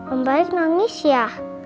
om mbak jangan nangis ya